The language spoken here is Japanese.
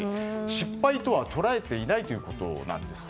失敗とは捉えていないということです。